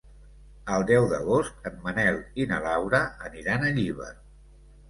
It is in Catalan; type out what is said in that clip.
El deu d'agost en Manel i na Laura aniran a Llíber.